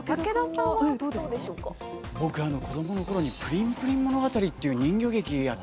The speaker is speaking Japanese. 僕、子どものころに「プリンプリン物語」っていう人形劇。